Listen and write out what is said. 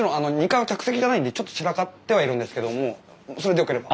２階は客席じゃないんでちょっと散らかってはいるんですけどもそれでよければ。